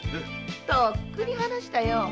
とっくに話したよ。